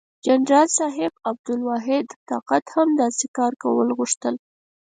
جنرال صاحب عبدالواحد طاقت هم داسې کار کول غوښتل.